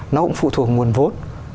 nó cũng phụ thuộc nguồn vốn